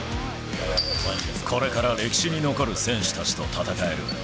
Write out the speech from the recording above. これから歴史に残る選手たちと戦える。